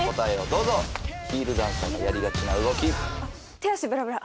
手足ブラブラ。